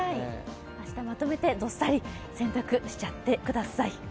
明日まとめてどっさり洗濯しちゃってください。